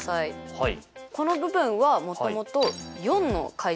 はい。